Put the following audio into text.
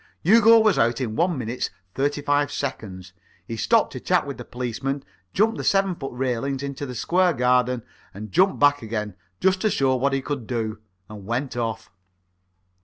Hugo was out in 1 min. 35 sec. He stopped to chat with the policeman, jumped the seven foot railings into the square garden, and jumped back again, just to show what he could do, and went off.